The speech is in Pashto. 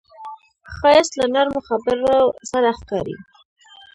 ښایست له نرمو خبرو سره ښکاري